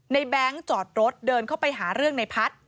แบงค์จอดรถเดินเข้าไปหาเรื่องในพัฒน์